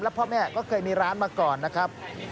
พ่อแม่ก็เคยมีร้านมาก่อนนะครับ